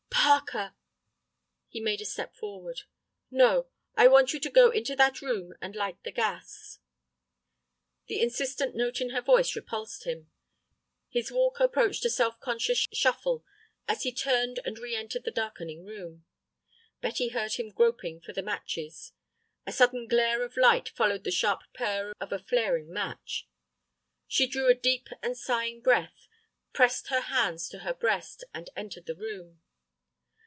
"Parker!" He made a step forward. "No, I want you to go into that room and light the gas." The insistent note in her voice repulsed him. His walk approached a self conscious shuffle as he turned and re entered the darkening room. Betty heard him groping for the matches. A sudden glare of light followed the sharp purr of a flaring match. She drew a deep and sighing breath, pressed her hands to her breast, and entered the room.